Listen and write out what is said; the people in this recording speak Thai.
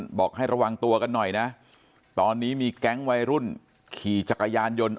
บอกให้ระวังตัวกันหน่อยนะตอนนี้มีแก๊งวัยรุ่นขี่จักรยานยนต์